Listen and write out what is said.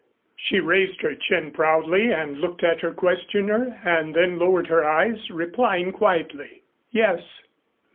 She raised her chin proudly and looked at her questioner and then lowered her eyes, replying quietly: "Yes."